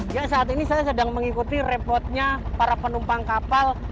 ya saat ini saya sedang mengikuti repotnya para penumpang kapal